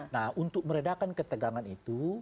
nah untuk meredakan ketegangan itu